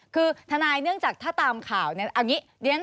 คือธนายน์เนื่องจากถ้าตามข่าวเอาไงนี้